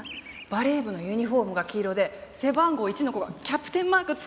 バレー部のユニホームが黄色で背番号１の子がキャプテンマークつけてるのよ！